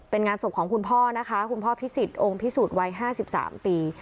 เป็นงานศพของคุณพ่อนะคะคุณพ่อพิสิทธิองค์พิสูจน์วัย๕๓ปี